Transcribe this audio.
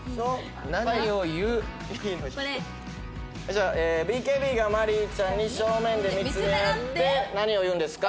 じゃあＢＫＢがマリーちゃんに正面で見つめあって何を言うんですか？